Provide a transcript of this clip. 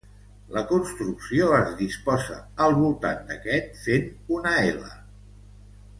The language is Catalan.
La construcció es disposa al voltant d'aquest fent una ela.